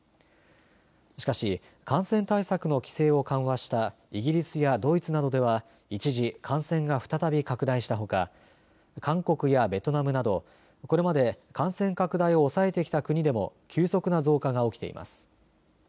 しかし感染対策の規制を緩和したイギリスやドイツなどでは一時、感染が再び拡大したほか韓国やベトナムなどこれまで感染拡大を抑えてきた国でも急速な増加が起きています。